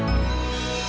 biar papa yang cari